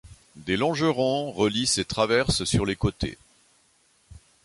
Des longerons relient ces traverses sur les côtés.